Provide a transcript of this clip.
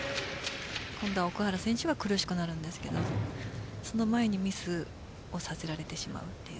奥原選手が苦しくなるんですがその前にミスをさせられてしまうという。